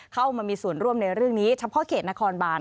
เข้ามามีส่วนร่วมในเรื่องนี้เฉพาะเขตนครบาน